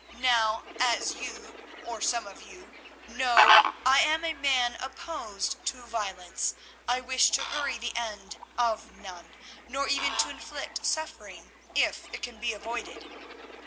Now, as you, or some of you, know, I am a man opposed to violence; I wish to hurry the end of none, nor even to inflict suffering, if it can be avoided.